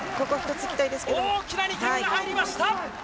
大きな２点が入りました！